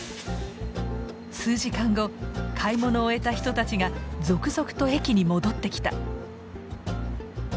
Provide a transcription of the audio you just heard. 数時間後買い物を終えた人たちが続々と駅に戻ってきた。